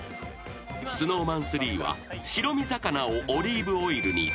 ［ＳｎｏｗＭａｎ３は白身魚をオリーブオイルに投入］